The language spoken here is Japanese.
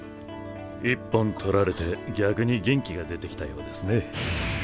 一本取られて逆に元気が出てきたようですね。